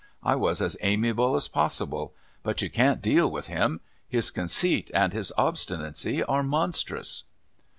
I was as amiable as possible. But you can't deal with him. His conceit and his obstinacy are monstrous."